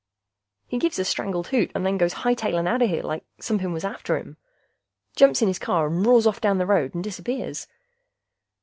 He gives a strangled hoot and goes hightailin' outta here like somepin' was after him. Jumps in his car and roars off down the road and disappears.